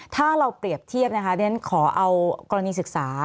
ถ้าเราเปรียบเทียบนะคะเรียนขอเอากรณีศึกษา